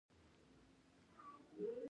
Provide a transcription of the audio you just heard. د پوندو د چاودیدو لپاره باید څه شی وکاروم؟